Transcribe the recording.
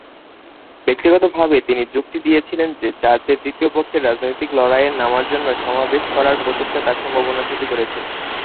ব্যক্তিগতভাবে তিনি যুক্তি দিয়েছিলেন যে চার্চের তৃতীয় পক্ষকে রাজনৈতিক লড়াইয়ে নামার জন্য সমাবেশ করার প্রচেষ্টা তার সম্ভাবনার ক্ষতি করছে।